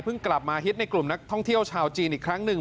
กลับมาฮิตในกลุ่มนักท่องเที่ยวชาวจีนอีกครั้งหนึ่ง